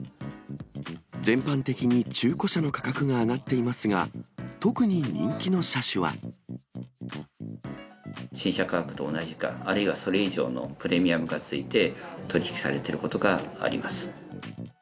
全般的に中古車の価格が上がっていますが、新車価格と同じか、あるいはそれ以上のプレミアムがついて、取り引きされてることがあります。